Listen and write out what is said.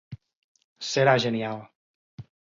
Serà genial.